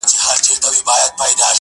o چي اوښ ولاړی، مهار ئې زه څه کوم؟